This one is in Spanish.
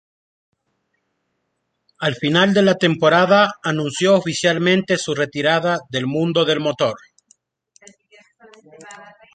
Al final de la temporada anunció oficialmente su retirada del mundo del motor.